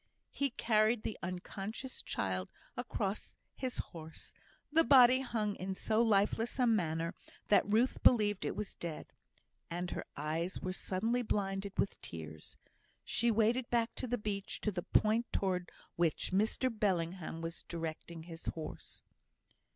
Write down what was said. He carried the unconscious child across his horse; the body hung in so lifeless a manner that Ruth believed it was dead, and her eyes were suddenly blinded with tears. She waded back to the beach, to the point towards which Mr Bellingham was directing his horse.